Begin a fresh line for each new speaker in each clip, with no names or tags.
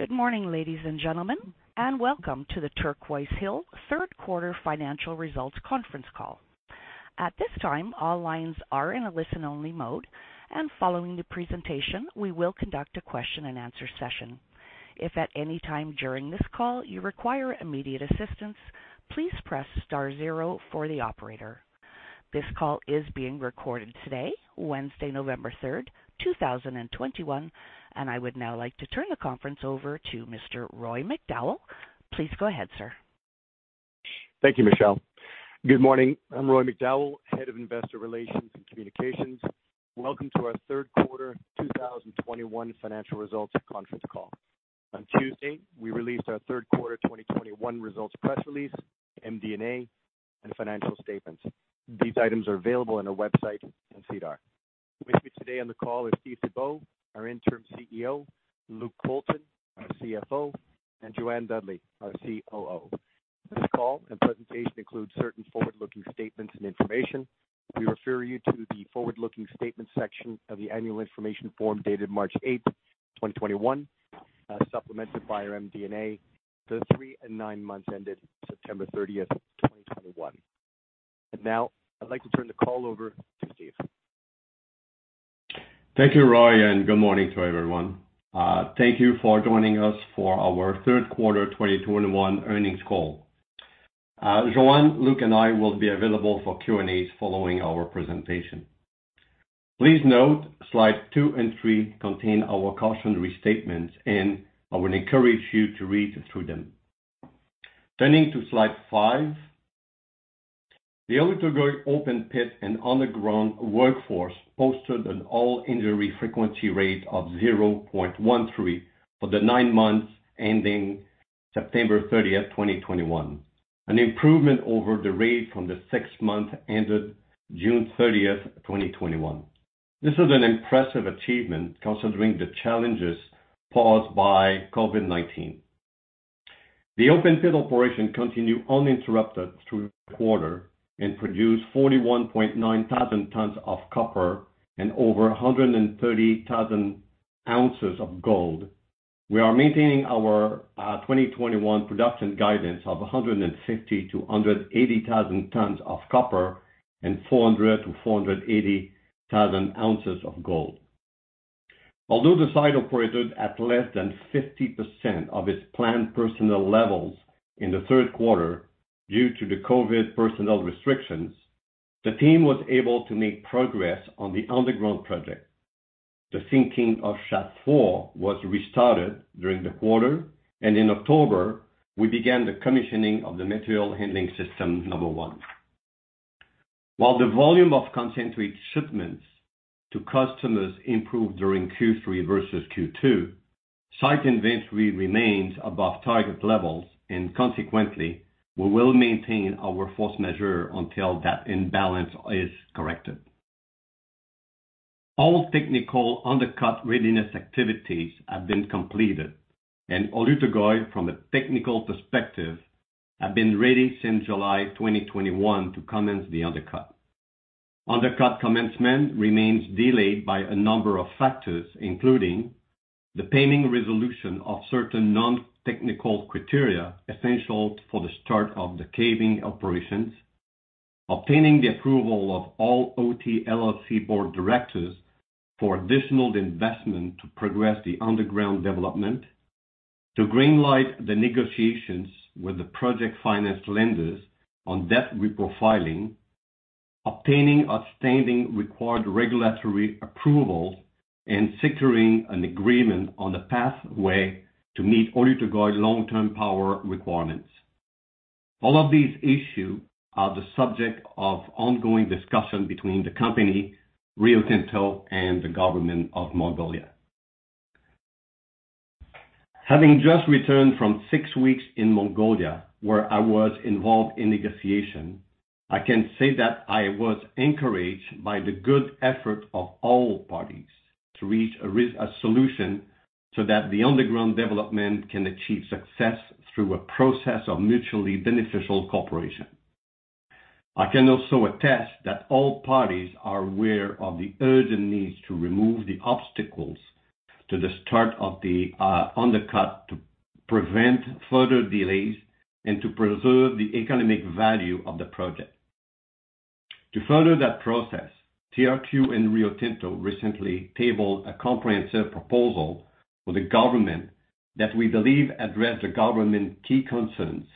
Good morning, ladies and gentlemen, and welcome to the Turquoise Hill third quarter financial results conference call. At this time, all lines are in a listen-only mode, and following the presentation, we will conduct a question and answer session. If at any time during this call you require immediate assistance, please press star zero for the operator. This call is being recorded today, Wednesday, November 3, 2021, and I would now like to turn the conference over to Mr. Roy McDowall. Please go ahead, sir.
Thank you, Michelle. Good morning. I'm Roy McDowall, head of investor relations and communications. Welcome to our third quarter 2021 financial results conference call. On Tuesday, we released our third quarter 2021 results press release, MD&A, and financial statements. These items are available on our website and SEDAR. With me today on the call is Steve Thibeault, our Interim CEO, Luke Colton, our CFO, and Jo-Anne Dudley, our COO. This call and presentation includes certain forward-looking statements and information. We refer you to the forward-looking statement section of the annual information form dated March 8, 2021, supplemented by our MD&A, the three and nine months ended September 30, 2021. Now I'd like to turn the call over to Steve.
Thank you, Roy, and good morning to everyone. Thank you for joining us for our third quarter 2021 earnings call. Joanne, Luke, and I will be available for Q&As following our presentation. Please note, slides two and three contain our cautionary statements, and I would encourage you to read through them. Turning to slide five, the Oyu Tolgoi open pit and underground workforce posted an All Injury Frequency Rate of 0.13 for the nine months ending September 30, 2021, an improvement over the rate from the six months ended June 30, 2021. This is an impressive achievement considering the challenges posed by COVID-19. The open pit operation continued uninterrupted through the quarter and produced 41,900 tons of copper and over 130,000 oz of gold. We are maintaining our 2021 production guidance of 150,000 tons-180,000 tons of copper and 400,000 oz-480,000 oz of gold. Although the site operated at less than 50% of its planned personnel levels in the third quarter due to the COVID personnel restrictions, the team was able to make progress on the underground project. The sinking of Shaft 4 was restarted during the quarter, and in October, we began the commissioning of the Material Handling System 1. While the volume of concentrate shipments to customers improved during Q3 versus Q2, site inventory remains above target levels, and consequently, we will maintain our force majeure until that imbalance is corrected. All technical undercut readiness activities have been completed, and Oyu Tolgoi, from a technical perspective, have been ready since July 2021 to commence the undercut. Undercut commencement remains delayed by a number of factors, including the pending resolution of certain non-technical criteria essential for the start of the caving operations, obtaining the approval of all OT LLC board directors for additional investment to progress the underground development, to green light the negotiations with the project finance lenders on debt reprofiling, obtaining outstanding required regulatory approval and securing an agreement on the pathway to meet Oyu Tolgoi long-term power requirements. All of these issues are the subject of ongoing discussion between the company, Rio Tinto, and the government of Mongolia. Having just returned from six weeks in Mongolia, where I was involved in negotiation, I can say that I was encouraged by the good effort of all parties to reach a solution so that the underground development can achieve success through a process of mutually beneficial cooperation. I can also attest that all parties are aware of the urgent need to remove the obstacles to the start of the undercut to prevent further delays and to preserve the economic value of the project. To further that process, TRQ and Rio Tinto recently tabled a comprehensive proposal for the government that we believe addresses the government's key concerns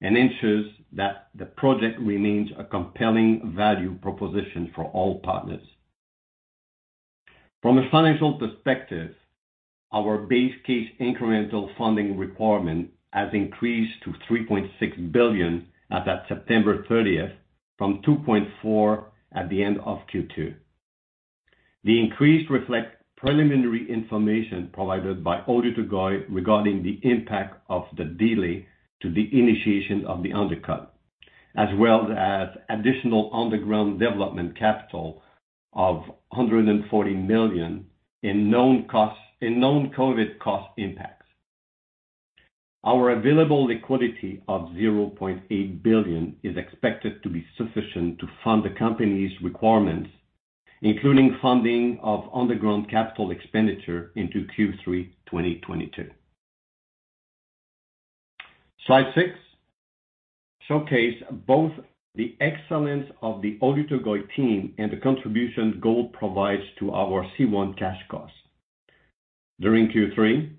and ensures that the project remains a compelling value proposition for all partners. From a financial perspective, our base case incremental funding requirement has increased to $3.6 billion as at September 30 from $2.4 billion at the end of Q2. The increase reflects preliminary information provided by Oyu Tolgoi regarding the impact of the delay to the initiation of the undercut, as well as additional underground development capital of $140 million in known COVID cost impacts. Our available liquidity of $0.8 billion is expected to be sufficient to fund the company's requirements, including funding of underground capital expenditure into Q3 2022. Slide six showcases both the excellence of the Oyu Tolgoi team and the contributions gold provides to our C1 cash costs. During Q3,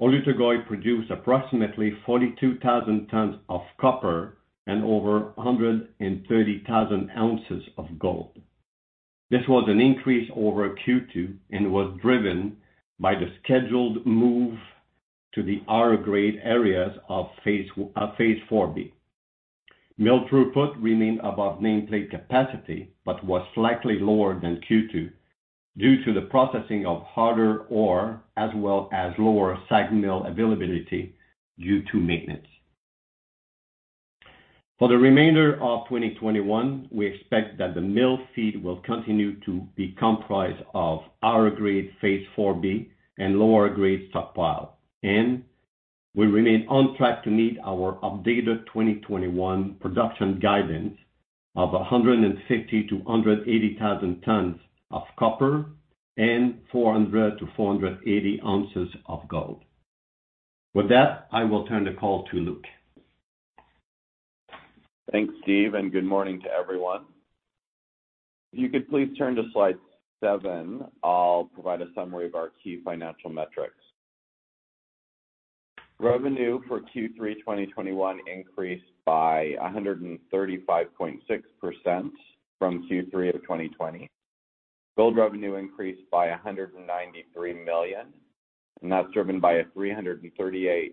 Oyu Tolgoi produced approximately 42,000 tons of copper and over 130,000 oz of gold. This was an increase over Q2, and was driven by the scheduled move to the R grade areas of phase IV-B. Mill throughput remained above nameplate capacity, but was slightly lower than Q2 due to the processing of harder ore, as well as lower SAG mill availability due to maintenance. For the remainder of 2021, we expect that the mill feed will continue to be comprised of R grade phase IV-B and lower grade stockpile. We remain on track to meet our updated 2021 production guidance of 150,000 tons-180,000 tons of copper and 400,000 oz-480,000 oz of gold. With that, I will turn the call to Luke.
Thanks, Steve, and good morning to everyone. If you could please turn to slide seven, I'll provide a summary of our key financial metrics. Revenue for Q3 2021 increased by 135.6% from Q3 2020. Gold revenue increased by $193 million, and that's driven by a 338%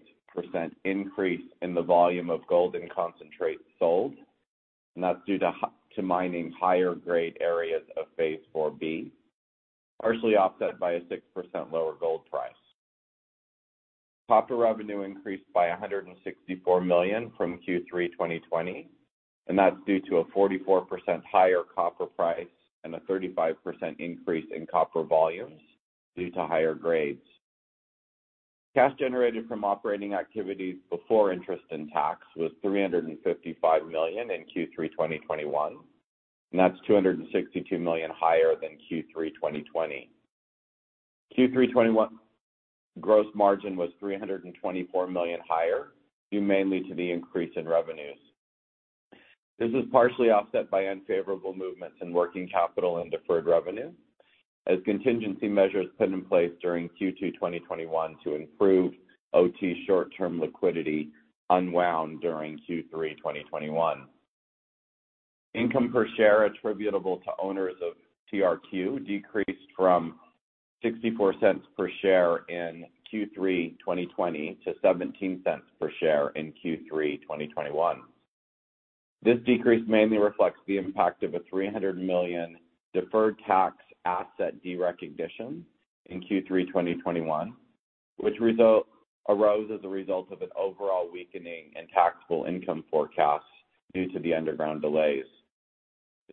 increase in the volume of gold and concentrates sold. That's due to mining higher grade areas of phase IV-B, partially offset by a 6% lower gold price. Copper revenue increased by $164 million from Q3 2020, and that's due to a 44% higher copper price and a 35% increase in copper volumes due to higher grades. Cash generated from operating activities before interest and tax was $355 million in Q3 2021, and that's $262 million higher than Q3 2020. Q3 2021 gross margin was $324 million higher, due mainly to the increase in revenues. This is partially offset by unfavorable movements in working capital and deferred revenue, as contingency measures put in place during Q2 2021 to improve OT short-term liquidity unwound during Q3 2021. Income per share attributable to owners of TRQ decreased from $0.64 per share in Q3 2020 to $0.17 per share in Q3 2021. This decrease mainly reflects the impact of a $300 million deferred tax asset derecognition in Q3 2021, which arose as a result of an overall weakening in taxable income forecasts due to the underground delays.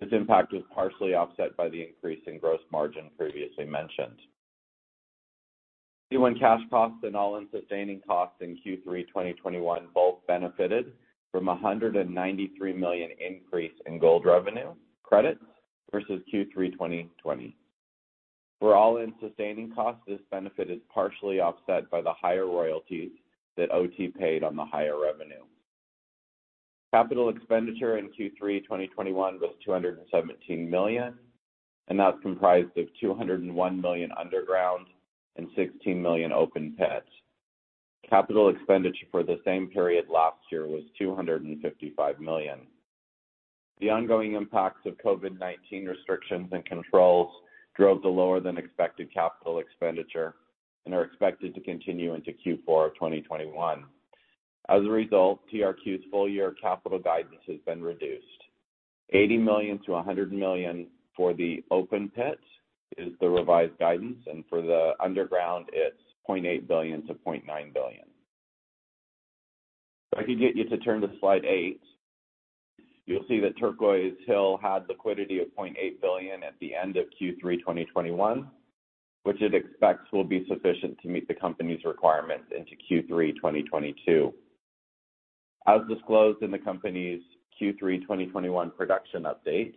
This impact was partially offset by the increase in gross margin previously mentioned. C1 cash costs and all-in sustaining costs in Q3 2021 both benefited from a $193 million increase in gold revenue credits versus Q3 2020. For all-in sustaining costs, this benefit is partially offset by the higher royalties that OT paid on the higher revenue. Capital expenditure in Q3 2021 was $217 million, and that's comprised of $201 million underground and $16 million open pits. Capital expenditure for the same period last year was $255 million. The ongoing impacts of COVID-19 restrictions and controls drove the lower than expected capital expenditure and are expected to continue into Q4 2021. As a result, TRQ's full year capital guidance has been reduced. $80 million-$100 million for the open pits is the revised guidance, and for the underground it's $0.8 billion-$0.9 billion. If I could get you to turn to slide eight, you'll see that Turquoise Hill had liquidity of $0.8 billion at the end of Q3 2021, which it expects will be sufficient to meet the company's requirements into Q3 2022. As disclosed in the company's Q3 2021 production update,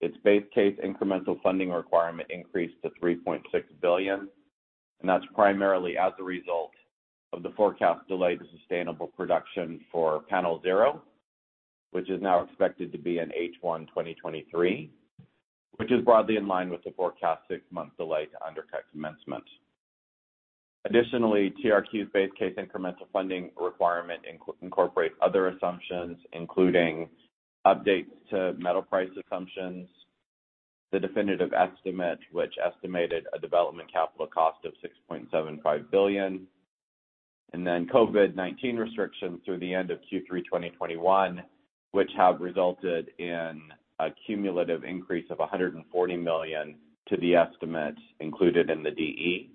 its base case incremental funding requirement increased to $3.6 billion, and that's primarily as a result of the forecast delay to sustainable production for Panel 0, which is now expected to be in H1 2023, which is broadly in line with the forecast six-month delay to undercut commencement. Additionally, TRQ's base case incremental funding requirement incorporates other assumptions, including updates to metal price assumptions, the Definitive Estimate which estimated a development capital cost of $6.75 billion, COVID-19 restrictions through the end of Q3 2021, which have resulted in a cumulative increase of $140 million to the estimate included in the DE,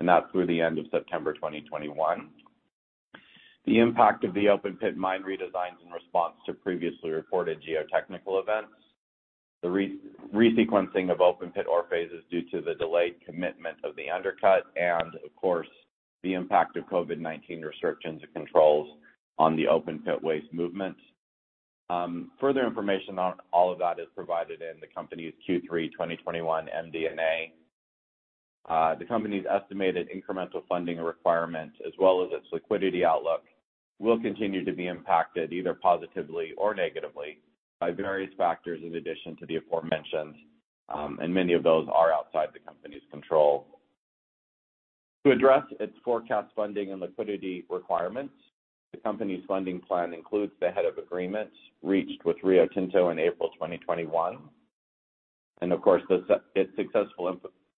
and that's through the end of September 2021. The impact of the open pit mine redesigns in response to previously reported geotechnical events. The resequencing of open pit ore phases due to the delayed commitment of the undercut and, of course, the impact of COVID-19 restrictions and controls on the open pit waste movement. Further information on all of that is provided in the company's Q3 2021 MD&A. The company's estimated incremental funding requirement, as well as its liquidity outlook, will continue to be impacted, either positively or negatively by various factors in addition to the aforementioned, and many of those are outside the company's control. To address its forecast funding and liquidity requirements, the company's funding plan includes the Heads of Agreement reached with Rio Tinto in April 2021. Of course, its successful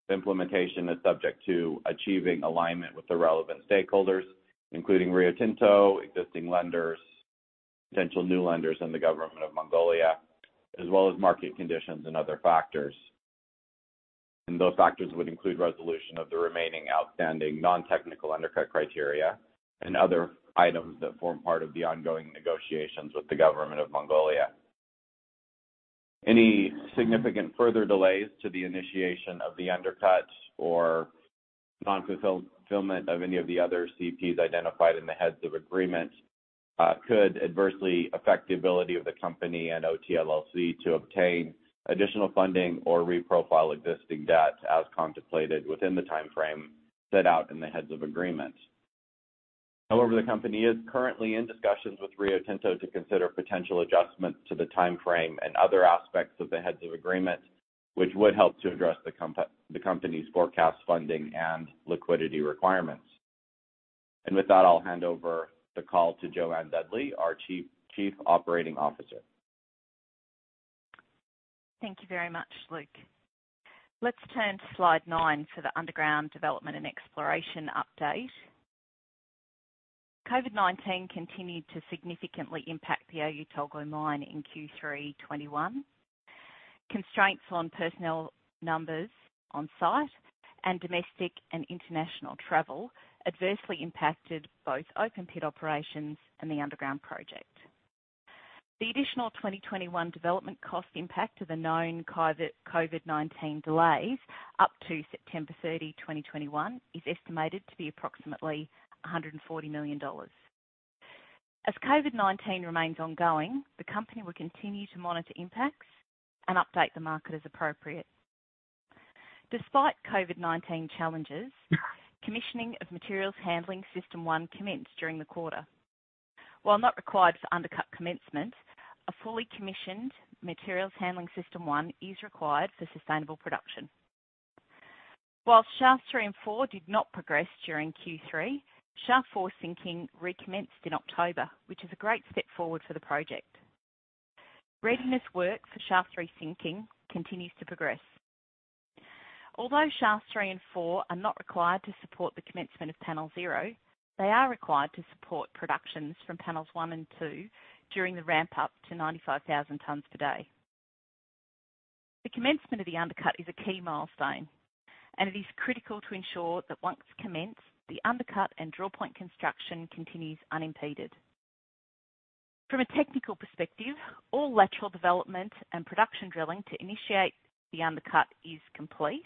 implementation is subject to achieving alignment with the relevant stakeholders, including Rio Tinto, existing lenders, potential new lenders, and the government of Mongolia, as well as market conditions and other factors. Those factors would include resolution of the remaining outstanding non-technical undercut criteria and other items that form part of the ongoing negotiations with the government of Mongolia. Any significant further delays to the initiation of the undercut or non-fulfillment of any of the other CPs identified in the Heads of Agreement could adversely affect the ability of the company and OT LLC to obtain additional funding or reprofile existing debt as contemplated within the timeframe set out in the Heads of Agreement. However, the company is currently in discussions with Rio Tinto to consider potential adjustments to the timeframe and other aspects of the Heads of Agreement, which would help to address the company's forecast funding and liquidity requirements. With that, I'll hand over the call to Jo-Anne Dudley, our Chief Operating Officer.
Thank you very much, Luke. Let's turn to slide nine for the underground development and exploration update. COVID-19 continued to significantly impact the Oyu Tolgoi mine in Q3 2021. Constraints on personnel numbers on site and domestic and international travel adversely impacted both open pit operations and the underground project. The additional 2021 development cost impact of the known COVID-19 delays up to September 30, 2021, is estimated to be approximately $140 million. As COVID-19 remains ongoing, the company will continue to monitor impacts and update the market as appropriate. Despite COVID-19 challenges, commissioning of Material Handling System 1 commenced during the quarter. While not required for undercut commencement, a fully commissioned Material Handling System 1 is required for sustainable production. While shafts 3 and 4 did not progress during Q3, Shaft 4 sinking recommenced in October, which is a great step forward for the project. Readiness work for Shaft 3 sinking continues to progress. Although shafts 3 and 4 are not required to support the commencement of Panel 0, they are required to support productions from panels 1 and 2 during the ramp up to 95,000 tons per day. The commencement of the undercut is a key milestone, and it is critical to ensure that once commenced, the undercut and drill point construction continues unimpeded. From a technical perspective, all lateral development and production drilling to initiate the undercut is complete,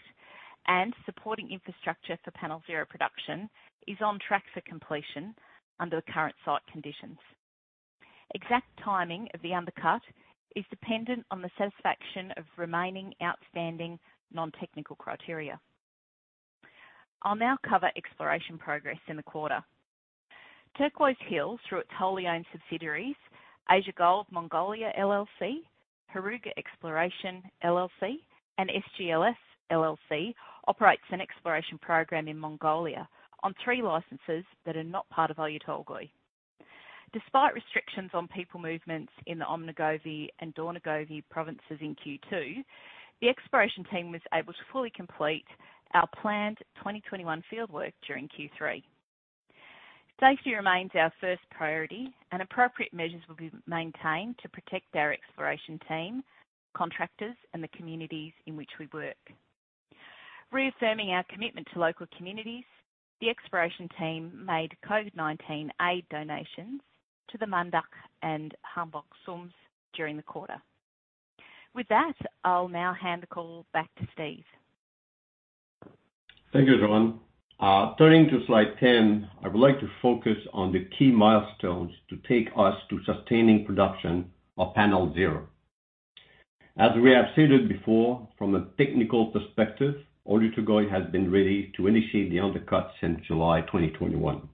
and supporting infrastructure for Panel 0 production is on track for completion under the current site conditions. Exact timing of the undercut is dependent on the satisfaction of remaining outstanding non-technical criteria. I'll now cover exploration progress in the quarter. Turquoise Hill, through its wholly owned subsidiaries, Asia Gold Mongolia LLC, Heruga Exploration LLC, and SGLS LLC, operates an exploration program in Mongolia on three licenses that are not part of Oyu Tolgoi. Despite restrictions on people movements in the Ömnögovi and Dornogovi provinces in Q2, the exploration team was able to fully complete our planned 2021 fieldwork during Q3. Safety remains our first priority, and appropriate measures will be maintained to protect our exploration team, contractors, and the communities in which we work. Reaffirming our commitment to local communities, the exploration team made COVID-19 aid donations to the Mandakh and Khanbogd sums during the quarter. With that, I'll now hand the call back to Steve.
Thank you, Joanne. Turning to slide 10, I would like to focus on the key milestones to take us to sustaining production of Panel 0. As we have stated before, from a technical perspective, Oyu Tolgoi has been ready to initiate the undercut since July 2021.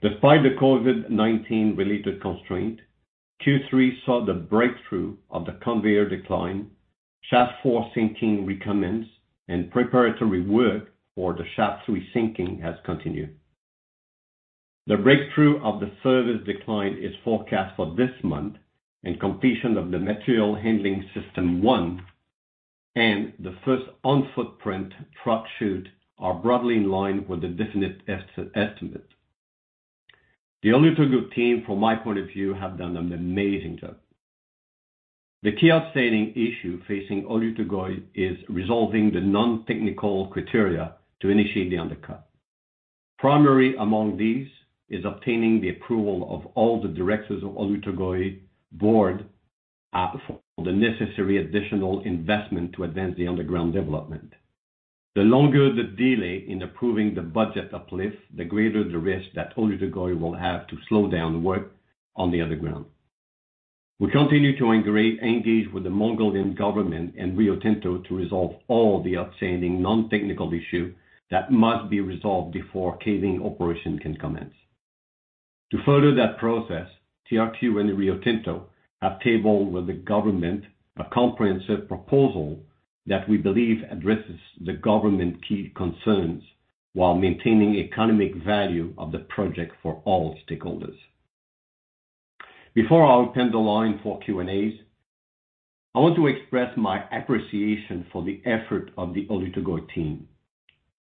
Despite the COVID-19 related constraint, Q3 saw the breakthrough of the conveyor decline, Shaft 4 sinking recommence, and preparatory work for the Shaft 3 sinking has continued. The breakthrough of the service decline is forecast for this month, and completion of the Material Handling System 1 and the first on-footprint truck chute are broadly in line with the Definitive Estimate. The Oyu Tolgoi team, from my point of view, have done an amazing job. The key outstanding issue facing Oyu Tolgoi is resolving the non-technical criteria to initiate the undercut. Primary among these is obtaining the approval of all the directors of Oyu Tolgoi board for the necessary additional investment to advance the underground development. The longer the delay in approving the budget uplift, the greater the risk that Oyu Tolgoi will have to slow down work on the underground. We continue to engage with the Mongolian government and Rio Tinto to resolve all the outstanding non-technical issue that must be resolved before caving operation can commence. To further that process, TRQ and Rio Tinto have tabled with the government a comprehensive proposal that we believe addresses the government key concerns while maintaining economic value of the project for all stakeholders. Before I open the line for Q&As, I want to express my appreciation for the effort of the Oyu Tolgoi team.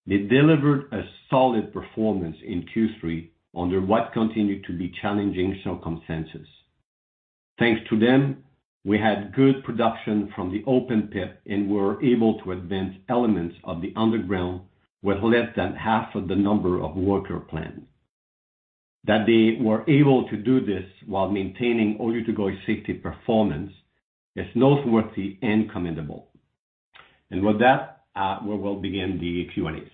They delivered a solid performance in Q3 under what continued to be challenging circumstances. Thanks to them, we had good production from the open pit and were able to advance elements of the underground with less than half of the number of worker planned. That they were able to do this while maintaining Oyu Tolgoi safety performance is noteworthy and commendable. With that, we will begin the Q&As.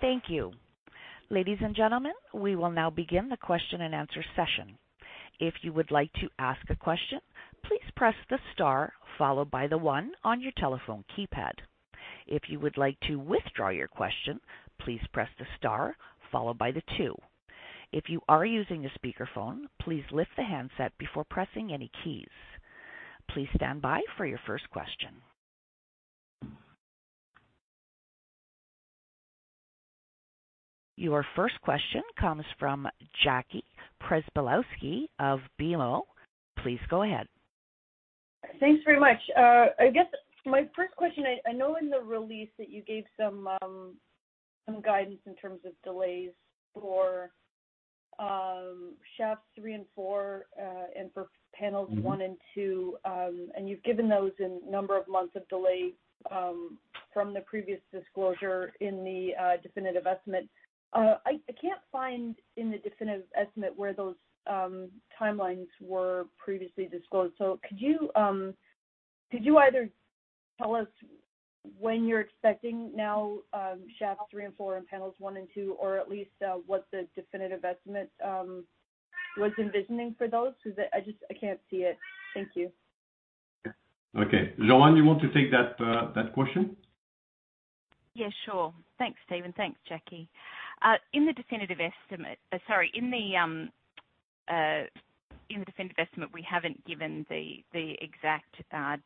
Thank you. Ladies and gentlemen, we will now begin the question-and-answer session. If you would like to ask a question, please press the star followed by the one on your telephone keypad. If you would like to withdraw your question, please press the star followed by the two. If you are using a speakerphone, please lift the handset before pressing any keys. Please stand by for your first question. Your first question comes from Jackie Przybylowski of BMO. Please go ahead.
Thanks very much. I guess my first question, I know in the release that you gave some guidance in terms of delays for shafts 3 and 4 and for panels 1 and 2, and you've given those in number of months of delay from the previous disclosure in the Definitive Estimate. I can't find in the Definitive Estimate where those timelines were previously disclosed. Could you either tell us when you're expecting now shafts 3 and 4 and panels 1 and 2, or at least what the Definitive Estimate was envisioning for those? Because I just can't see it. Thank you.
Okay. Jo-Anne, do you want to take that question?
Yeah, sure. Thanks, Steve. Thanks, Jackie. In the Definitive Estimate, we haven't given the exact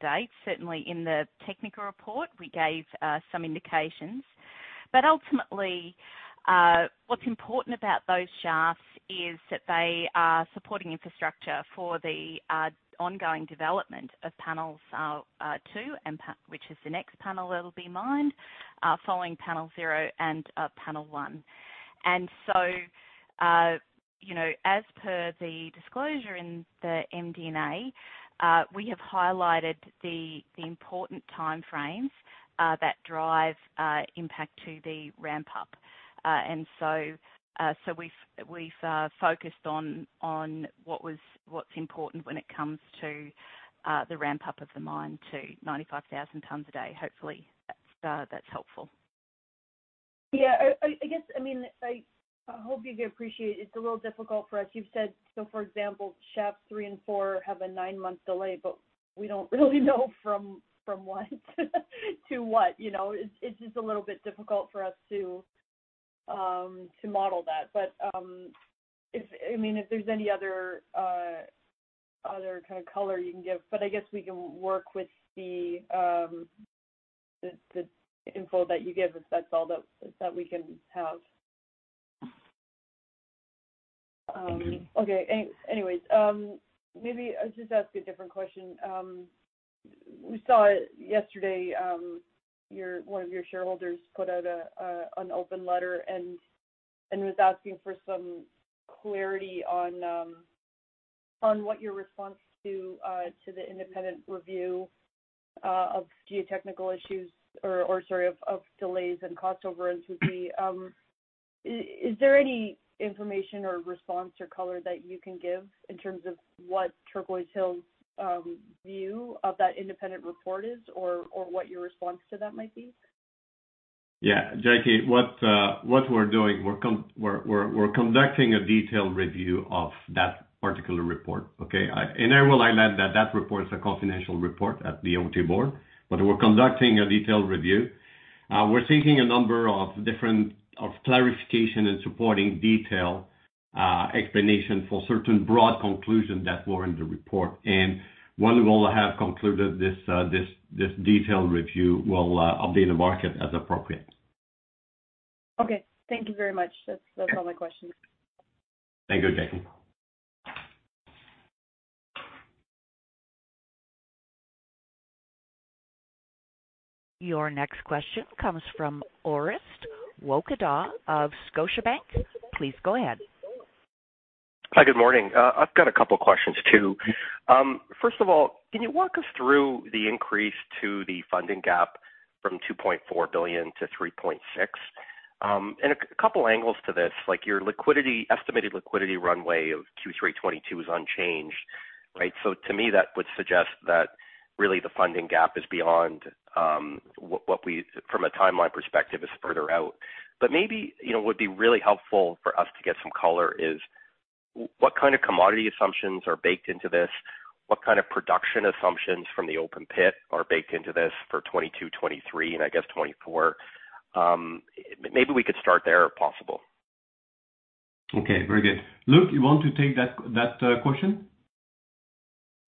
date. Certainly in the technical report, we gave some indications. Ultimately, what's important about those shafts is that they are supporting infrastructure for the ongoing development of Panel 2, which is the next panel that will be mined following Panel 0 and Panel 1. You know, as per the disclosure in the MD&A, we have highlighted the important time frames that drive impact to the ramp up. We've focused on what's important when it comes to the ramp-up of the mine to 95,000 tons a day. Hopefully that's helpful.
Yeah. I guess, I mean, I hope you can appreciate it's a little difficult for us. You've said, so for example, Shaft 3 and Shaft 4 have a nine-month delay, but we don't really know from what to what, you know. It's just a little bit difficult for us to model that. I mean, if there's any other kind of color you can give. I guess we can work with the info that you give if that's all that we can have.
Mm-hmm.
Okay. Anyways, maybe I'll just ask a different question. We saw yesterday, one of your shareholders put out an open letter and was asking for some clarity on what your response to the independent review of geotechnical issues or sort of of delays and cost overruns would be. Is there any information or response or color that you can give in terms of what Turquoise Hill's view of that independent report is or what your response to that might be?
Yeah. Jackie, what we're doing, we're conducting a detailed review of that particular report. Okay? I will highlight that that report is a confidential report at the OT board, but we're conducting a detailed review. We're seeking a number of different clarification and supporting detail, explanation for certain broad conclusions that were in the report. Once we will have concluded this detailed review, we'll update the market as appropriate.
Okay. Thank you very much. That's all my questions.
Thank you, Jackie.
Your next question comes from Orest Wowkodaw of Scotiabank. Please go ahead.
Hi. Good morning. I've got a couple questions too. First of all, can you walk us through the increase to the funding gap from $2.4 billion-$3.6 billion? A couple angles to this, like, your estimated liquidity runway of Q3 2022 is unchanged, right? To me, that would suggest that really the funding gap from a timeline perspective is further out. Maybe, you know, what would be really helpful for us to get some color is what kind of commodity assumptions are baked into this? What kind of production assumptions from the open pit are baked into this for 2022, 2023, and I guess 2024? Maybe we could start there, if possible.
Okay, very good. Luke, you want to take that question?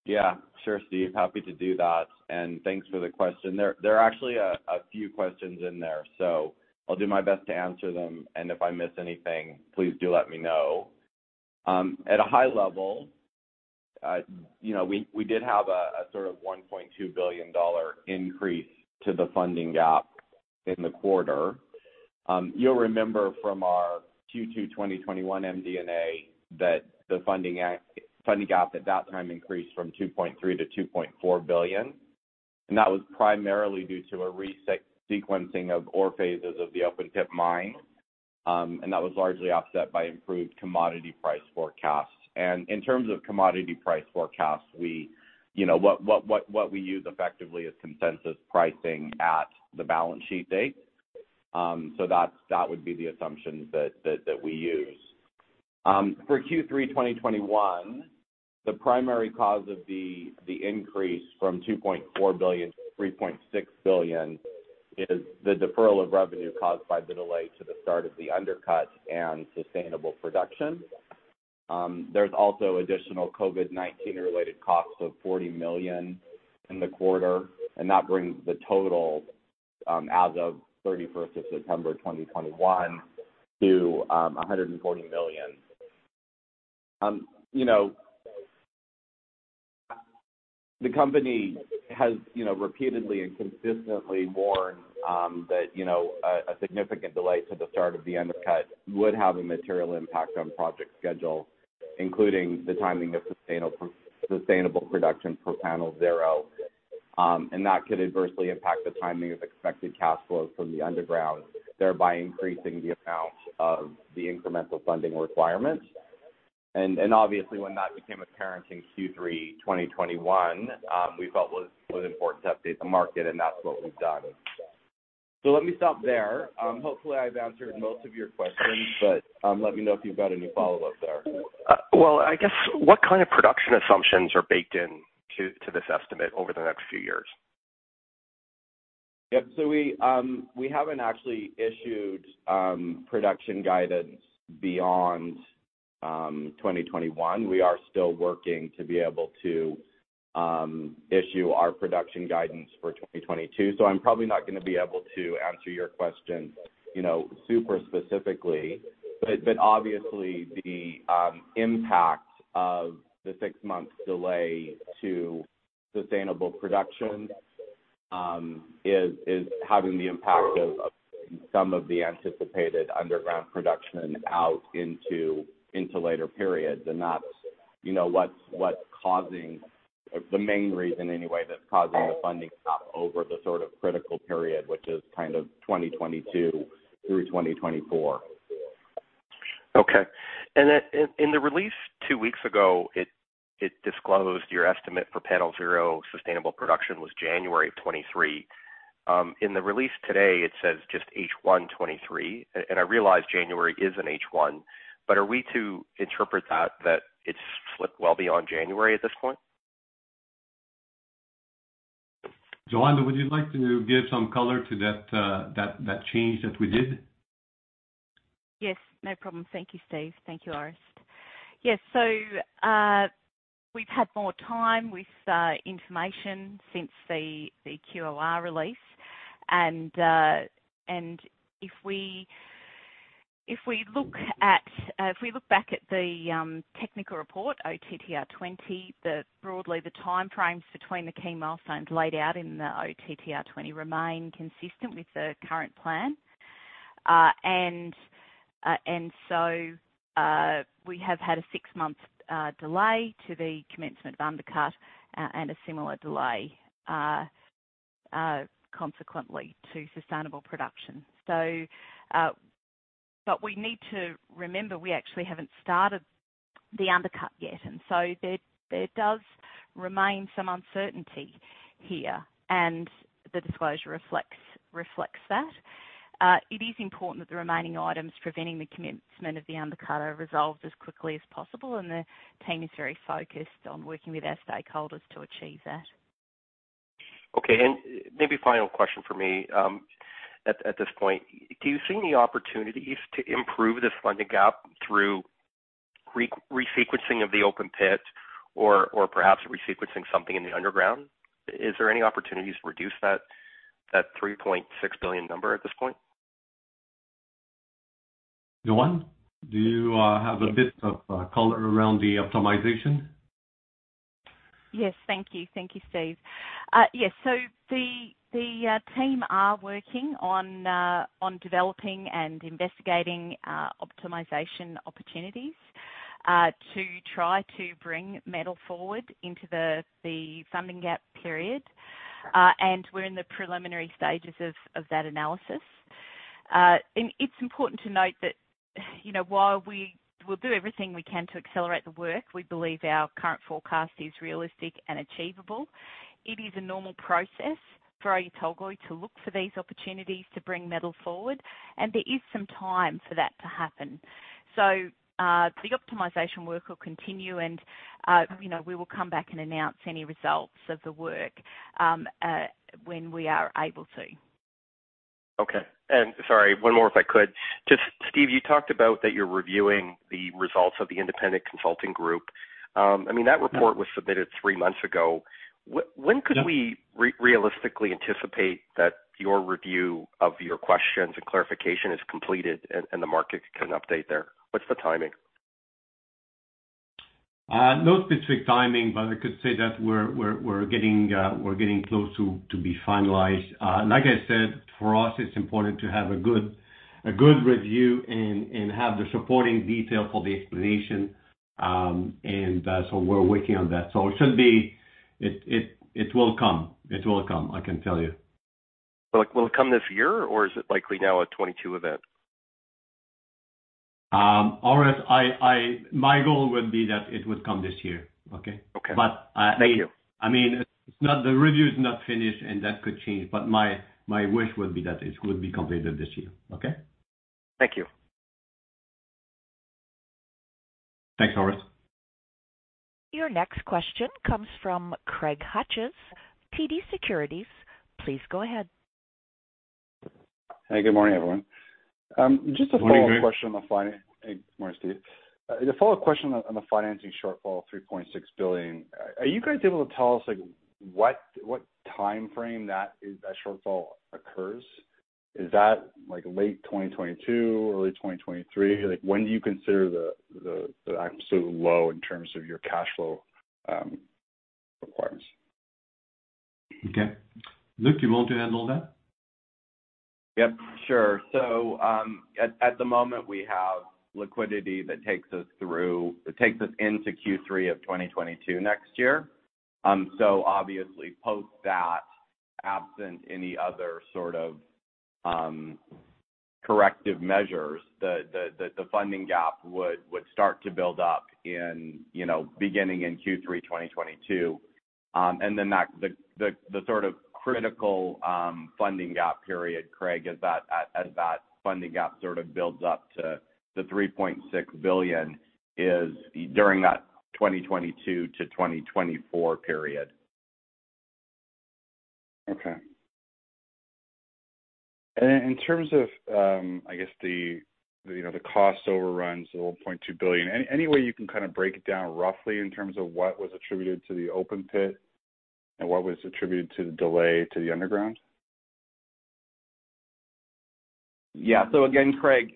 Yeah. Sure, Steve. Happy to do that. Thanks for the question. There are actually a few questions in there, so I'll do my best to answer them, and if I miss anything, please do let me know. At a high level, you know, we did have a sort of $1.2 billion increase to the funding gap in the quarter. You'll remember from our Q2 2021 MD&A that the funding gap at that time increased from $2.3 billion-$2.4 billion. That was primarily due to a sequencing of ore phases of the open pit mine, and that was largely offset by improved commodity price forecasts. In terms of commodity price forecasts, you know, what we use effectively is consensus pricing at the balance sheet date. That's the assumption that we use. For Q3 2021, the primary cause of the increase from $2.4 billion-$3.6 billion is the deferral of revenue caused by the delay to the start of the undercut and sustainable production. There's also additional COVID-19 related costs of $40 million in the quarter, and that brings the total, as of September 30, 2021, to $140 million. You know, the company has, you know, repeatedly and consistently warned that, you know, a significant delay to the start of the undercut would have a material impact on project schedule, including the timing of sustainable production for Panel 0. That could adversely impact the timing of expected cash flows from the underground, thereby increasing the amount of the incremental funding requirement. Obviously, when that became apparent in Q3 2021, we felt it was important to update the market, and that's what we've done. Let me stop there. Hopefully I've answered most of your questions, but let me know if you've got any follow-up there.
Well, I guess what kind of production assumptions are baked in to this estimate over the next few years?
Yep. We haven't actually issued production guidance beyond 2021. We are still working to be able to issue our production guidance for 2022, so I'm probably not gonna be able to answer your question, you know, super specifically. Obviously the impact of the six-month delay to sustainable production is having the impact of some of the anticipated underground production out into later periods. That's, you know, what's causing the main reason anyway, that's causing the funding gap over the sort of critical period, which is kind of 2022 through 2024.
Okay. Then in the release two weeks ago, it disclosed your estimate for Panel 0 sustainable production was January 2023. In the release today it says just H1 2023. I realize January is in H1, but are we to interpret that it's slipped well beyond January at this point?
Jo-Anne, would you like to give some color to that change that we did?
Yes. No problem. Thank you, Steve. Thank you, Orest. Yes. We've had more time with information since the QOR release, and if we look back at the technical report, OTTR20, broadly the time frames between the key milestones laid out in the OTTR20 remain consistent with the current plan. We have had a six-month delay to the commencement of undercut and a similar delay consequently to sustainable production. But we need to remember, we actually haven't started the undercut yet. There does remain some uncertainty here, and the disclosure reflects that. It is important that the remaining items preventing the commencement of the undercut are resolved as quickly as possible, and the team is very focused on working with our stakeholders to achieve that.
Okay. Maybe final question from me, at this point. Do you see any opportunities to improve this funding gap through resequencing of the open pit or perhaps resequencing something in the underground? Is there any opportunities to reduce that $3.6 billion number at this point?
Jo-Anne, do you have a bit of color around the optimization?
Yes. Thank you. Thank you, Steve. Yes. So the team are working on developing and investigating optimization opportunities to try to bring metal forward into the funding gap period. We're in the preliminary stages of that analysis. It's important to note that, you know, while we will do everything we can to accelerate the work, we believe our current forecast is realistic and achievable. It is a normal process for Oyu Tolgoi to look for these opportunities to bring metal forward, and there is some time for that to happen. The optimization work will continue and, you know, we will come back and announce any results of the work when we are able to.
Okay. Sorry, one more if I could. Just, Steve, you talked about that you're reviewing the results of the independent consulting group. I mean, that report was submitted three months ago. When could we realistically anticipate that your review of your questions and clarification is completed and the market can update there? What's the timing?
No specific timing, but I could say that we're getting close to be finalized. Like I said, for us, it's important to have a good review and have the supporting detail for the explanation. We're working on that. It should be. It will come, I can tell you.
Will it come this year, or is it likely now a 2022 event?
Orest, my goal would be that it would come this year. Okay?
Okay.
But, uh-
Thank you.
I mean, it's not, the review is not finished, and that could change. My wish would be that it would be completed this year. Okay?
Thank you.
Thanks, Orest
Your next question comes from Craig Hutchison, TD Securities. Please go ahead.
Hey, good morning, everyone. Just a follow-up question on the fin-
Good morning, Craig.
Hey. Good morning, Steve. Just a follow-up question on the financing shortfall, $3.6 billion. Are you guys able to tell us, like, what timeframe that is, that shortfall occurs? Is that, like, late 2022 or late 2023? Like, when do you consider the absolute low in terms of your cash flow requirements?
Okay. Luke, you want to handle that?
Yep. Sure. At the moment, we have liquidity that takes us through, that takes us into Q3 of 2022 next year. Obviously post that, absent any other sort of corrective measures, the funding gap would start to build up, you know, beginning in Q3 2022. That the sort of critical funding gap period, Craig, is as that funding gap sort of builds up to the $3.6 billion during that 2022-2024 period.
Okay. In terms of, I guess the, you know, the cost overruns, the $1.2 billion, any way you can kind of break it down roughly in terms of what was attributed to the open pit and what was attributed to the delay to the underground?
Again, Craig,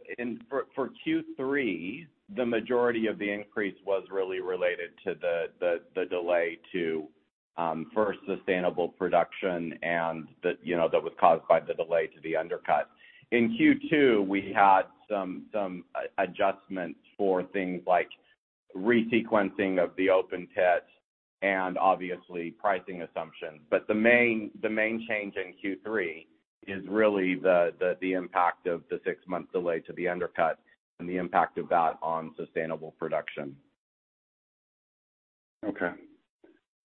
for Q3, the majority of the increase was really related to the delay to first sustainable production and, you know, that was caused by the delay to the undercut. In Q2, we had some adjustments for things like resequencing of the open pit and obviously pricing assumptions. The main change in Q3 is really the impact of the six-month delay to the undercut and the impact of that on sustainable production.
Okay. Maybe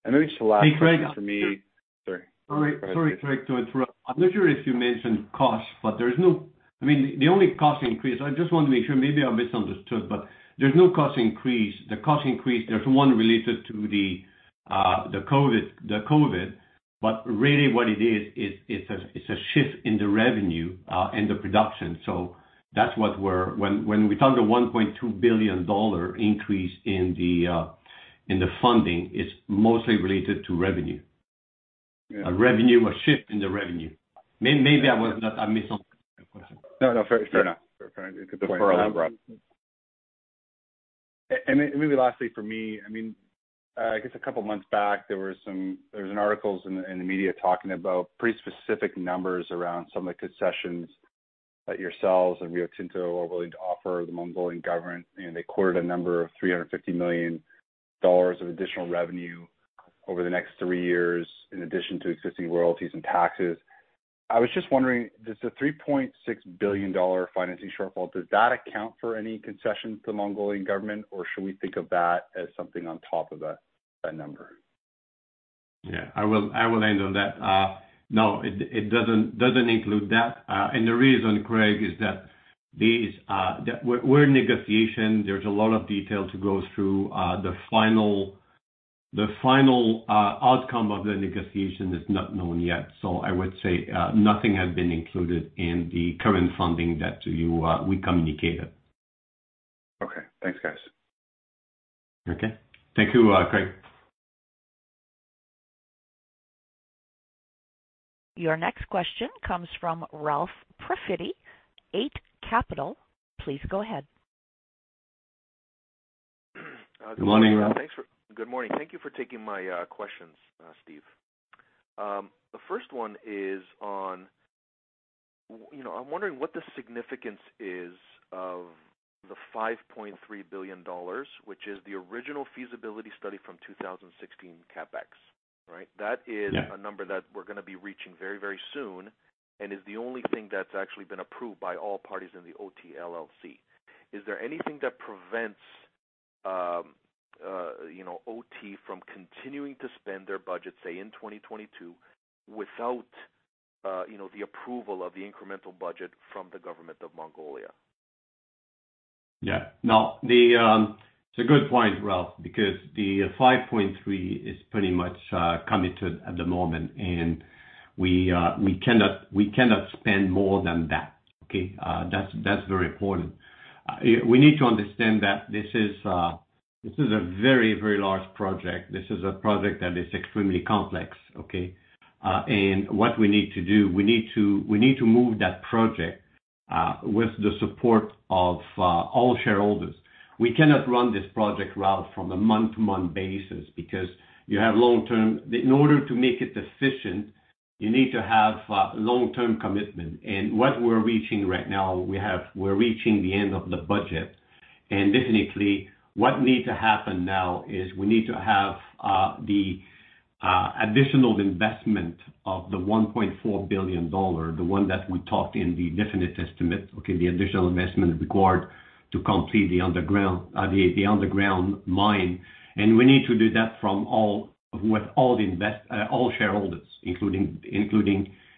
just the last question for me-
Hey, Craig.
Sorry.
Sorry, Craig, to interrupt. I'm not sure if you mentioned costs, but there is no. I mean, the only cost increase, I just want to make sure. Maybe I misunderstood, but there's no cost increase. The cost increase, there's one related to the COVID, but really what it is, it's a shift in the revenue and the production. That's what we're talking about when we talk about the $1.2 billion increase in the funding. It's mostly related to revenue.
Yeah.
Revenue, a shift in the revenue. Maybe I was not. I missed something.
No, no. Fair enough. Fair enough. Good point. Maybe lastly for me, I mean, I guess a couple of months back, there's an article in the media talking about pretty specific numbers around some of the concessions that yourselves and Rio Tinto are willing to offer the Mongolian government, and they quoted a number of $350 million of additional revenue over the next three years, in addition to existing royalties and taxes. I was just wondering, does the $3.6 billion financing shortfall account for any concession to the Mongolian government? Or should we think of that as something on top of that number?
Yeah. I will end on that. No, it doesn't include that. The reason, Craig, is that these, we're in negotiation. There's a lot of detail to go through. The final outcome of the negotiation is not known yet. I would say, nothing has been included in the current funding that we communicated.
Okay. Thanks, guys.
Okay. Thank you, Craig.
Your next question comes from Ralph Profiti, Eight Capital. Please go ahead.
Good morning, Ralph.
Good morning. Thank you for taking my questions, Steve. The first one is on. You know, I'm wondering what the significance is of the $5.3 billion, which is the original feasibility study from 2016 CapEx, right?
Yeah.
That is a number that we're gonna be reaching very, very soon, and is the only thing that's actually been approved by all parties in the OT LLC. Is there anything that prevents, you know, OT from continuing to spend their budget, say, in 2022 without, you know, the approval of the incremental budget from the government of Mongolia?
No, it's a good point, Ralph, because the $5.3 is pretty much committed at the moment, and we cannot spend more than that. Okay. That's very important. We need to understand that this is a very, very large project. This is a project that is extremely complex. Okay. What we need to do, we need to move that project with the support of all shareholders. We cannot run this project, Ralph, from a month-to-month basis because you have long term. In order to make it efficient, you need to have long-term commitment. What we're reaching right now, we're reaching the end of the budget. Definitely what needs to happen now is we need to have the additional investment of the $1.4 billion, the one that we talked in the Definitive Estimate. Okay, the additional investment required to complete the underground mine. We need to do that with all shareholders, including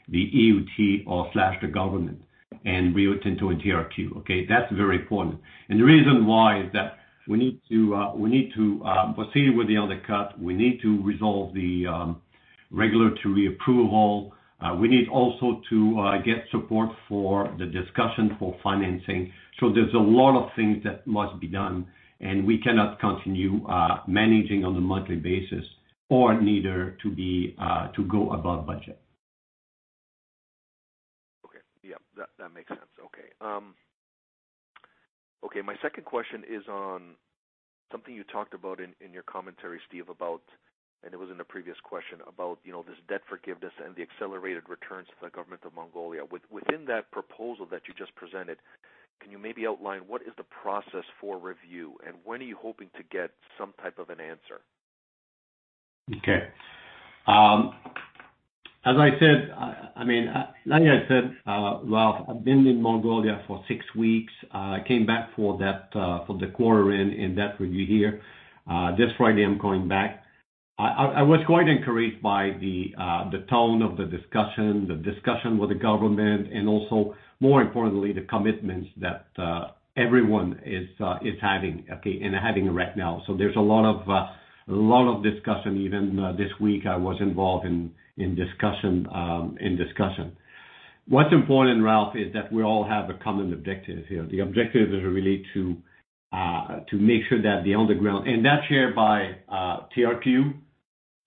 the EOT or the government and Rio Tinto and TRQ, okay? That's very important. The reason why is that we need to proceed with the undercut. We need to resolve the regulatory approval. We need also to get support for the discussion for financing. There's a lot of things that must be done, and we cannot continue managing on a monthly basis or neither to go above budget.
Okay. Yeah, that makes sense. Okay, my second question is on something you talked about in your commentary, Steve, about, and it was in the previous question about, you know, this debt forgiveness and the accelerated returns to the government of Mongolia. Within that proposal that you just presented, can you maybe outline what is the process for review and when are you hoping to get some type of an answer?
Okay. As I said, I mean, like I said, Ralph, I've been in Mongolia for six weeks. I came back for that, for the quarter end and debt review here. This Friday, I'm going back. I was quite encouraged by the tone of the discussion with the government, and also, more importantly, the commitments that everyone is having, okay, and having right now. There's a lot of discussion. Even this week I was involved in discussion. What's important, Ralph, is that we all have a common objective here. The objective is really to make sure that the underground, and that's shared by TRQ,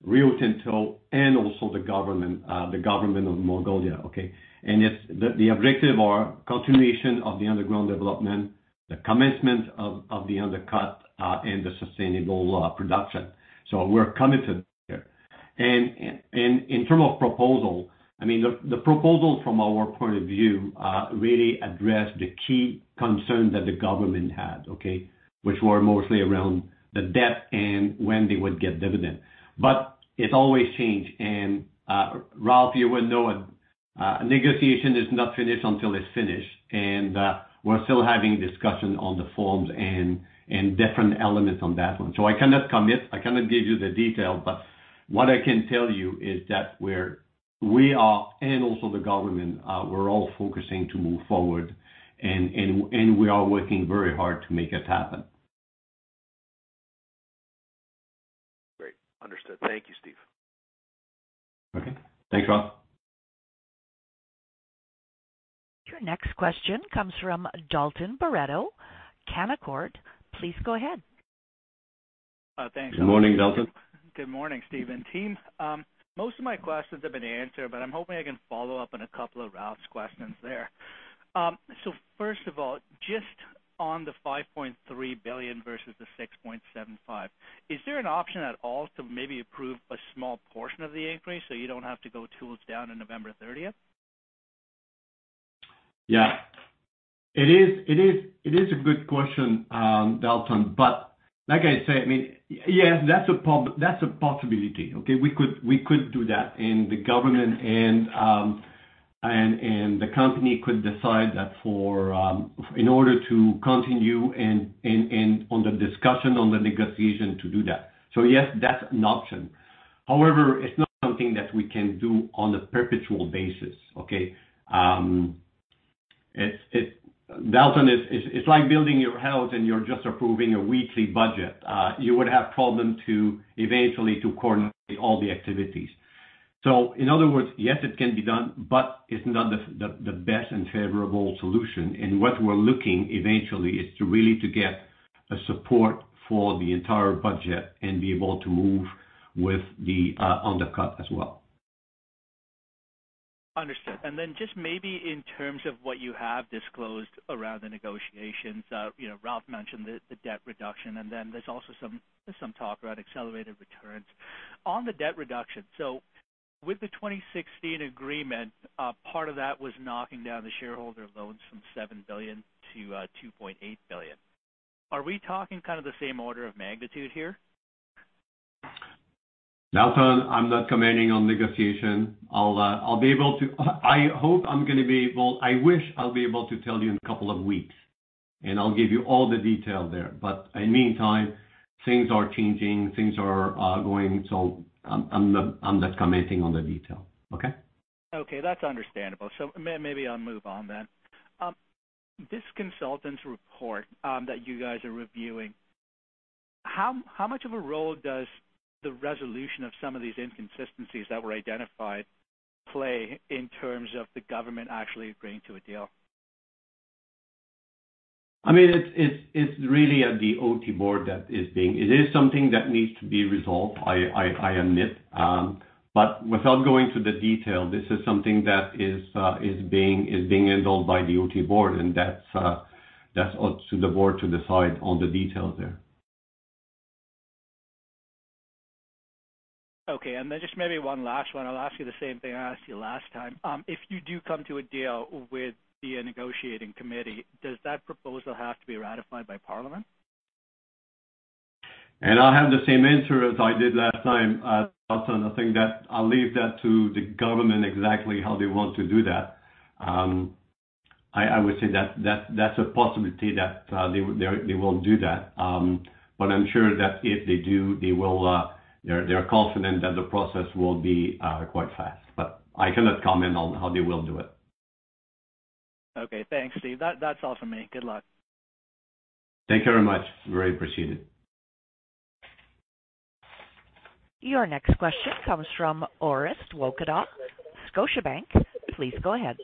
Rio Tinto, and also the government of Mongolia, okay? It's the objective or continuation of the underground development, the commencement of the undercut, and the sustainable production. We're committed there. In terms of proposal, I mean, the proposal from our point of view really addressed the key concern that the government had, okay? Which were mostly around the debt and when they would get dividend. But it always change. Ralph, you well know it, negotiation is not finished until it's finished. We're still having discussion on the terms and different elements on that one. I cannot commit, I cannot give you the detail, but what I can tell you is that we are, and also the government, we're all focusing to move forward and we are working very hard to make it happen.
Great. Understood. Thank you, Steve.
Okay. Thanks, Ralph.
Your next question comes from Dalton Baretto, Canaccord. Please go ahead.
Thanks.
Good morning, Dalton.
Good morning, Steve and team. Most of my questions have been answered, but I'm hoping I can follow up on a couple of Ralph's questions there. So first of all, just on the $5.3 billion versus the $6.75 billion, is there an option at all to maybe approve a small portion of the increase so you don't have to go tools down on November 30th?
Yeah. It is a good question, Dalton, but like I say, I mean, yes, that's a possibility. Okay? We could do that, and the government and the company could decide that for in order to continue and on the discussion, on the negotiation to do that. Yes, that's an option. However, it's not something that we can do on a perpetual basis, okay? It's, Dalton, it's like building your house and you're just approving a weekly budget. You would have problem to eventually coordinate all the activities. In other words, yes, it can be done, but it's not the best and favorable solution. What we're looking eventually is to really get a support for the entire budget and be able to move with the undercut as well.
Understood. Then just maybe in terms of what you have disclosed around the negotiations, you know, Ralph mentioned the debt reduction, and then there's also some talk around accelerated returns. On the debt reduction, with the 2016 agreement, part of that was knocking down the shareholder loans from $7 billion-$2.8 billion. Are we talking kind of the same order of magnitude here?
Dalton, I'm not commenting on negotiation. I'll be able to tell you in a couple of weeks, and I'll give you all the detail there. In the meantime, things are changing, things are going, so I'm not commenting on the detail. Okay?
Okay, that's understandable. Maybe I'll move on then. This consultant's report that you guys are reviewing, how much of a role does the resolution of some of these inconsistencies that were identified play in terms of the government actually agreeing to a deal?
I mean, it's really at the OT board. It is something that needs to be resolved, I admit. Without going into the detail, this is something that is being handled by the OT board, and that's up to the board to decide on the details there.
Okay. Just maybe one last one. I'll ask you the same thing I asked you last time. If you do come to a deal with the negotiating committee, does that proposal have to be ratified by parliament?
I'll have the same answer as I did last time, Dalton. I think that I'll leave that to the government exactly how they want to do that. I would say that that's a possibility that they will do that. I'm sure that if they do, they will, they're confident that the process will be quite fast. I cannot comment on how they will do it.
Okay. Thanks, Steve. That's all for me. Good luck.
Thank you very much. Very appreciated.
Your next question comes from Orest Wowkodaw, Scotiabank. Please go ahead.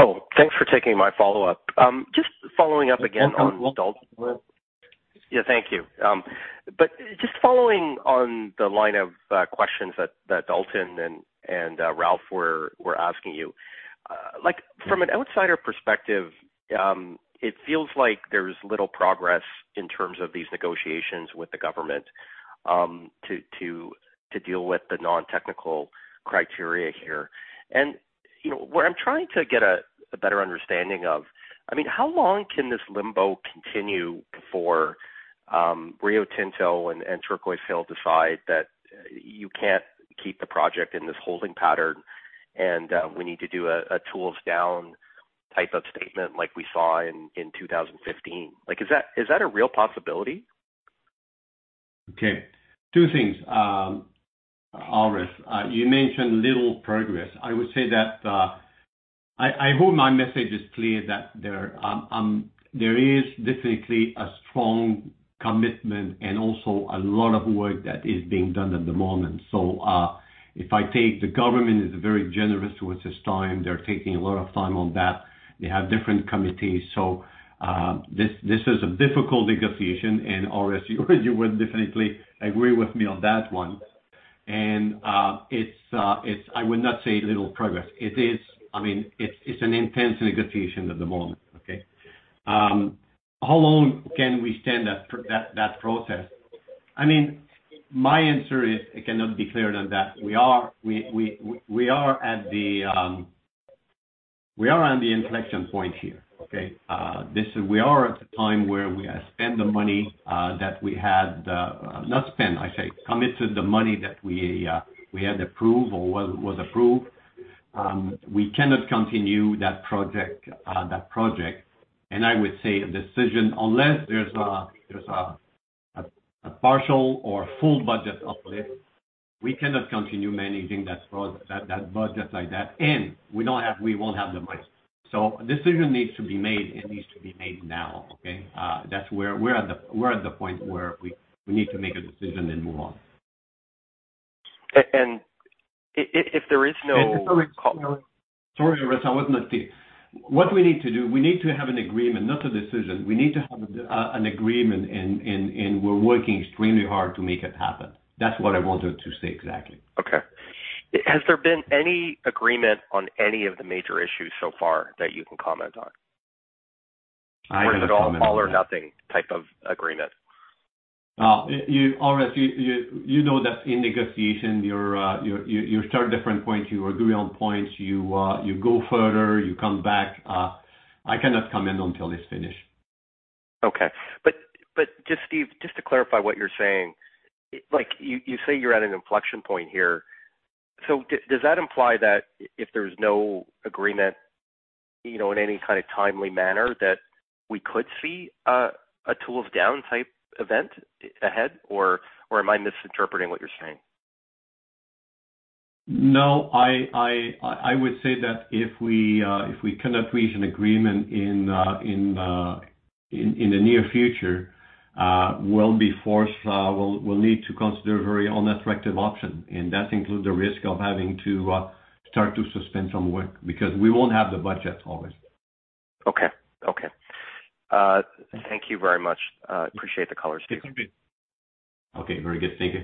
Oh, thanks for taking my follow-up. Just following up again on Dalton
Yes, I'm good.
Yeah. Thank you. But just following on the line of questions that Dalton and Ralph were asking you. Like from an outsider perspective, it feels like there's little progress in terms of these negotiations with the government to deal with the non-technical criteria here. You know, what I'm trying to get a better understanding of, I mean, how long can this limbo continue before Rio Tinto and Turquoise Hill decide that you can't keep the project in this holding pattern and we need to do a tools down type of statement like we saw in 2015? Like, is that a real possibility?
Okay. Two things, Orest. You mentioned little progress. I would say that I hope my message is clear that there is definitely a strong commitment and also a lot of work that is being done at the moment. If I take the government is very generous with its time, they're taking a lot of time on that. They have different committees. This is a difficult negotiation and, Orest, you would definitely agree with me on that one. It's I would not say little progress. It is I mean, it's an intense negotiation at the moment, okay? How long can we stand that process? I mean, my answer is it cannot be clearer than that. We are at the inflection point here, okay? This is the time where we committed the money that we had approved or was approved. We cannot continue that project. I would say a decision, unless there's a partial or full budget uplift, we cannot continue managing that budget like that. We don't have; we won't have the money. A decision needs to be made, and it needs to be made now, okay? That's where we're at the point where we need to make a decision and move on.
If there is no
Sorry, Orest. I was not clear. What we need to do, we need to have an agreement, not a decision. We need to have an agreement and we're working extremely hard to make it happen. That's what I wanted to say exactly.
Okay. Has there been any agreement on any of the major issues so far that you can comment on?
I cannot comment on that.
Is it all or nothing type of agreement?
You, Orest, you know that in negotiation, you start at different points, you agree on points, you go further, you come back. I cannot comment until it's finished.
Okay. Just, Steve, just to clarify what you're saying. Like you say you're at an inflection point here. Does that imply that if there's no agreement, you know, in any kind of timely manner, that we could see a tools down type event ahead, or am I misinterpreting what you're saying?
No, I would say that if we cannot reach an agreement in the near future, we will need to consider a very unattractive option. That includes the risk of having to start to suspend some work because we won't have the budget always.
Okay. Thank you very much. Appreciate the colors, Steve.
Okay. Very good. Thank you.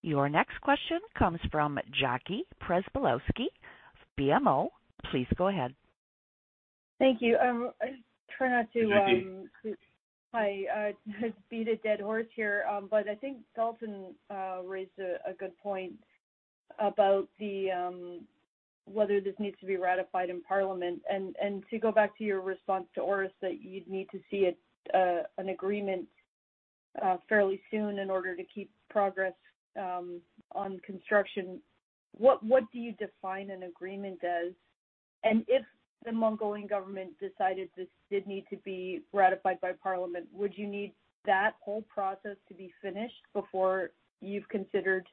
Your next question comes from Jackie Przybylowski, BMO. Please go ahead.
Thank you. I try not to-
Jackie.
Hi. Beat a dead horse here, but I think Dalton raised a good point about whether this needs to be ratified in parliament. To go back to your response to Orest that you'd need to see an agreement fairly soon in order to keep progress on construction, what do you define an agreement as? If the Mongolian government decided this did need to be ratified by parliament, would you need that whole process to be finished before you've considered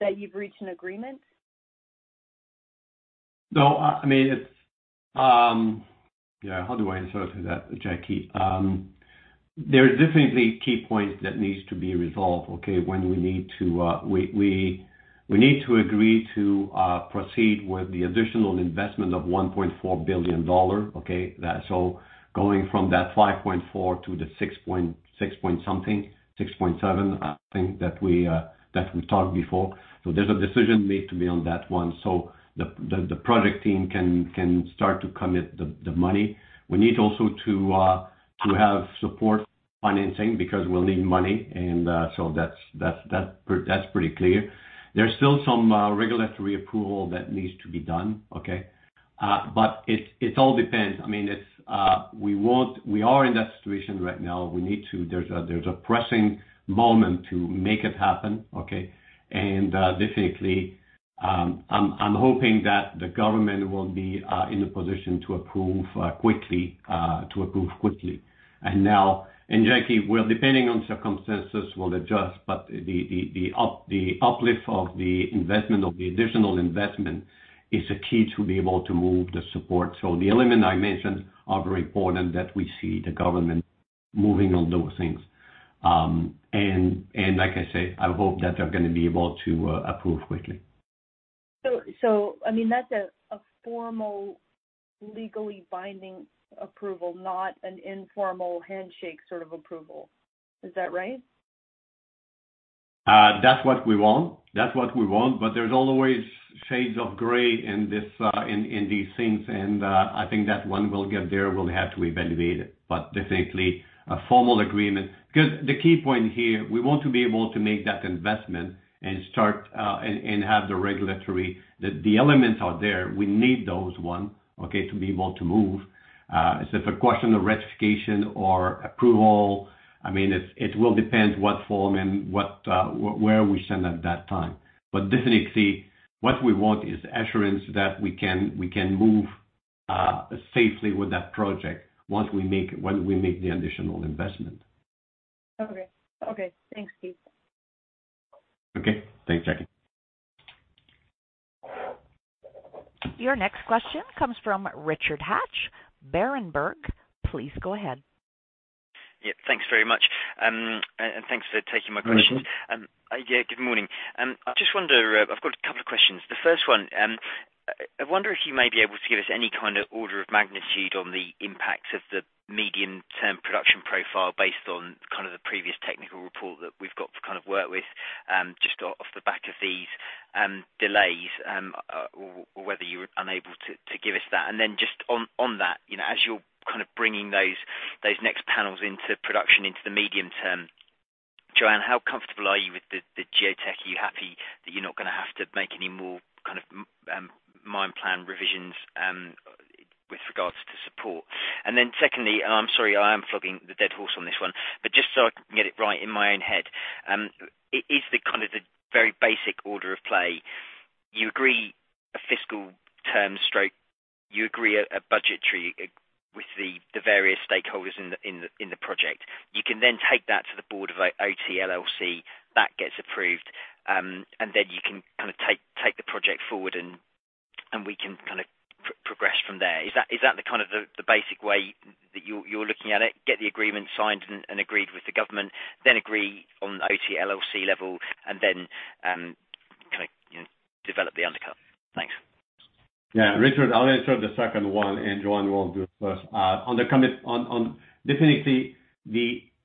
that you've reached an agreement?
No, I mean, it's. Yeah, how do I answer that, Jackie? There are definitely key points that needs to be resolved, okay? We need to agree to proceed with the additional investment of $1.4 billion, okay? That's all. Going from that $5.4 billion -$6.7 billion, I think that we talked before. There's a decision to be made on that one so the project team can start to commit the money. We need also to have support financing because we'll need money and so that's pretty clear. There's still some regulatory approval that needs to be done, okay? It all depends. I mean, it's we want. We are in that situation right now. We need to. There's a pressing moment to make it happen, okay? Definitely, I'm hoping that the government will be in a position to approve quickly. Now, Jackie, well, depending on circumstances will adjust, but the uplift of the investment of the additional investment is a key to be able to move the support. The element I mentioned are very important that we see the government moving on those things. Like I say, I hope that they're gonna be able to approve quickly.
I mean, that's a formal legally binding approval, not an informal handshake sort of approval. Is that right?
That's what we want. There's always shades of gray in this, in these things. I think that one will get there. We'll have to evaluate it. Definitely a formal agreement. Because the key point here, we want to be able to make that investment and start and have the regulatory. The elements are there. We need those one, okay, to be able to move. If a question of ratification or approval, I mean, it will depend what form and what, where we stand at that time. Definitely what we want is assurance that we can move safely with that project when we make the additional investment.
Okay. Thanks, Steve.
Okay. Thanks, Jackie.
Your next question comes from Richard Hatch, Berenberg. Please go ahead.
Yeah, thanks very much. Thanks for taking my questions.
Mm-hmm.
Yeah, good morning. I just wonder, I've got a couple of questions. The first one, I wonder if you may be able to give us any kind of order of magnitude on the impact of the medium-term production profile based on kind of the previous technical report that we've got to kind of work with, just off the back of these delays, or whether you were unable to give us that. Just on that, you know, as you're kind of bringing those next panels into production into the medium term, Jo-Anne, how comfortable are you with the geotech? Are you happy that you're not gonna have to make any more kind of mine plan revisions with regards to support?
Secondly, and I'm sorry, I am flogging the dead horse on this one, but just so I can get it right in my own head, it is the kind of very basic order of play, you agree fiscal terms or, you agree a budgetary with the various stakeholders in the project. You can then take that to the board of OT LLC, that gets approved, and then you can kind of take the project forward, and we can kind of progress from there. Is that the kind of basic way that you are looking at it? Get the agreement signed and agreed with the government, then agree on OT LLC level and then, kind of, you know, develop the undercut. Thanks.
Yeah. Richard, I'll answer the second one, and Joanne will do first. On definitely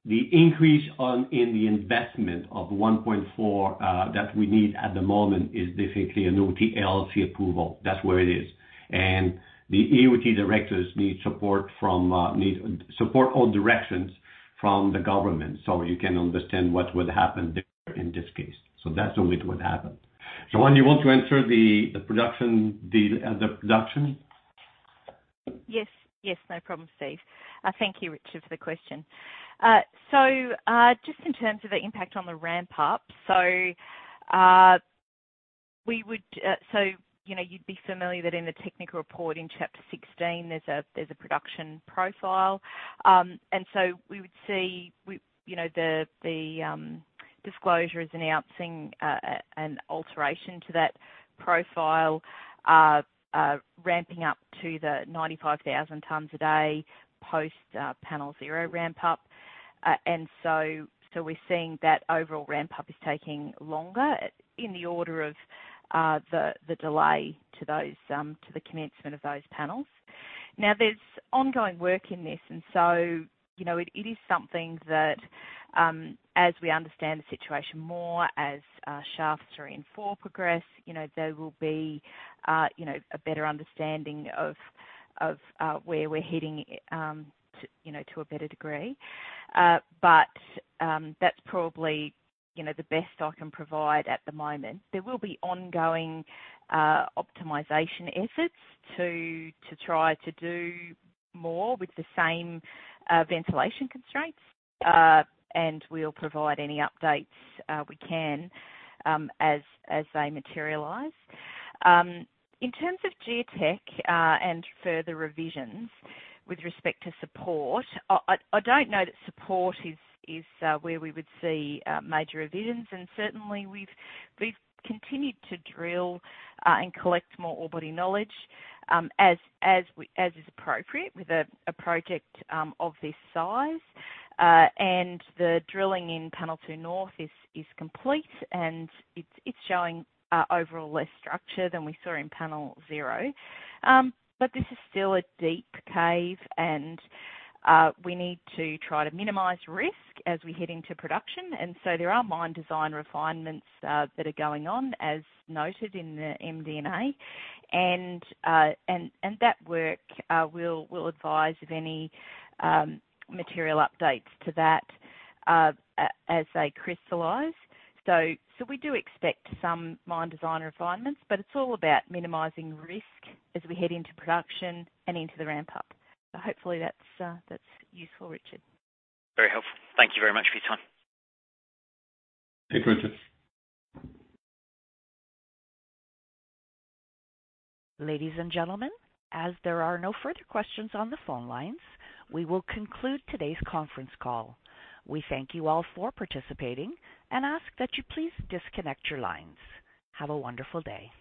the increase in the investment of $1.4 that we need at the moment is definitely a new LLC approval. That's where it is. The OT directors need support or directions from the government, so you can understand what would happen there in this case. That's the way it would happen. Joanne, you want to answer the production?
Yes. No problem, Steve. Thank you, Richard, for the question. Just in terms of the impact on the ramp up. We would, so, you know, you'd be familiar that in the technical report in chapter 16, there's a production profile. We would see, you know, the disclosure is announcing an alteration to that profile, ramping up to the 95,000 tons a day post Panel 0 ramp up. We're seeing that overall ramp up is taking longer in the order of the delay to those, to the commencement of those panels. Now, there's ongoing work in this, and so, you know, it is something that, as we understand the situation more as, Shaft 3 and Shaft 4 progress, you know, there will be, you know, a better understanding of where we're heading, to, you know, to a better degree. That's probably, you know, the best I can provide at the moment. There will be ongoing optimization efforts to try to do more with the same ventilation constraints. We'll provide any updates we can as they materialize. In terms of geotech and further revisions with respect to support, I don't know that support is where we would see major revisions. Certainly we've continued to drill and collect more ore body knowledge, as is appropriate with a project of this size. The drilling in Panel 2 North is complete, and it's showing overall less structure than we saw in Panel 0. But this is still a deep cave, and we need to try to minimize risk as we head into production. There are mine design refinements that are going on, as noted in the MD&A. That work we'll advise of any material updates to that as they crystallize. We do expect some mine design refinements, but it's all about minimizing risk as we head into production and into the ramp up. Hopefully that's useful, Richard.
Very helpful. Thank you very much for your time.
Thanks, Richard.
Ladies and gentlemen, as there are no further questions on the phone lines, we will conclude today's conference call. We thank you all for participating and ask that you please disconnect your lines. Have a wonderful day.